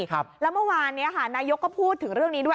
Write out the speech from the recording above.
แล้วเมื่อวานนี้ค่ะนายกก็พูดถึงเรื่องนี้ด้วย